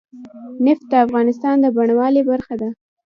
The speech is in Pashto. نفت د افغانستان د بڼوالۍ برخه ده.